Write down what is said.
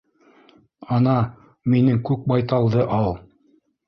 Ана, минең күк байталды ал.